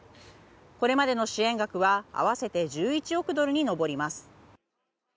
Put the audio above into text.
これまでの支援額は合わせて１１億ドルに上ります。